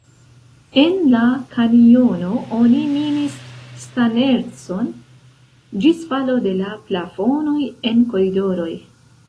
En la kanjono oni minis stan-ercon ĝis falo de la plafonoj en koridoroj.